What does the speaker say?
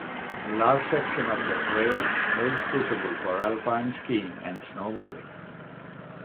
A large section of the trail is suitable for alpine skiing and snowboarding.